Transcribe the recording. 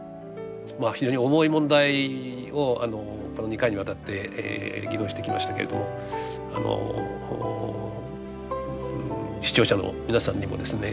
非常に重い問題をこの２回にわたって議論してきましたけれども視聴者の皆さんにもですね